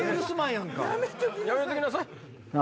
「やめときなさい」。